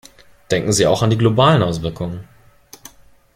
Denken Sie auch an die globalen Auswirkungen.